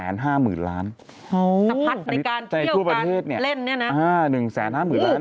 เท่าไรทำให้๑แสน๕หมื่นยาน